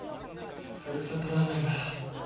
ふるさとラーメンだ